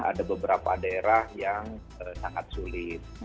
ada beberapa daerah yang sangat sulit